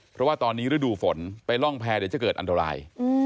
เพราะว่าตอนนี้ฤดูฝนไปร่องแพร่เดี๋ยวจะเกิดอันตราย